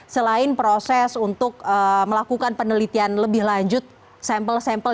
selain proses untuk melakukan penelitian lebih lanjut sampel sampel